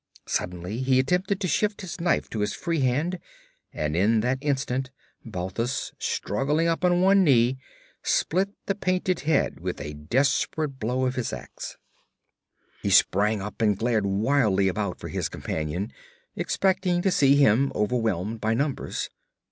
Suddenly he attempted to shift his knife to his free hand, and in that instant Balthus, struggling up on one knee, split the painted head with a desperate blow of his ax. He sprang up and glared wildly about for his companion, expecting to see him overwhelmed by numbers.